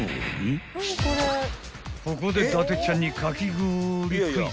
［ここで伊達ちゃんにかき氷クイズ］